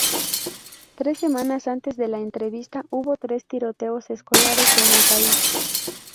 Tres semanas antes de la entrevista hubo tres tiroteos escolares en el país.